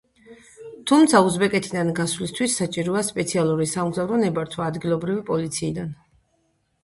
თუმცა, უზბეკეთიდან გასვლისთვის, საჭიროა სპეციალური სამგზავრო ნებართვა ადგილობრივი პოლიციიდან.